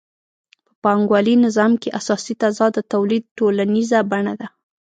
په پانګوالي نظام کې اساسي تضاد د تولید ټولنیزه بڼه ده